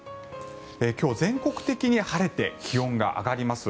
今日、全国的に晴れて気温が上がります。